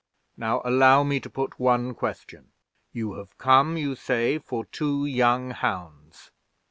Now allow me to put one question. You have come, you say, for two young hounds.